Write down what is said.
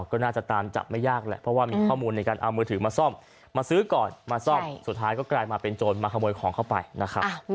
ก็น่าจะตามจับไม่ยากแหละเพราะว่ามีข้อมูลในการเอามือถือมาซ่อมมาซื้อก่อนมาซ่อมสุดท้ายก็กลายมาเป็นโจรมาขโมยของเข้าไปนะครับ